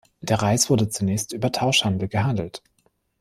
Der Reis wurde zunächst über Tauschhandel gehandelt.